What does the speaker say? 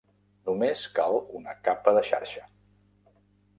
Només cal una capa de xarxa.